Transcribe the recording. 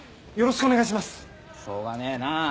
しょうがねえな。